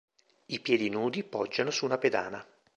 I piedi nudi poggiano su una pedana.